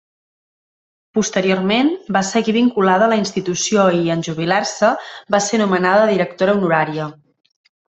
Posteriorment, va seguir vinculada a la institució i, en jubilar-se, va ser nomenada directora honorària.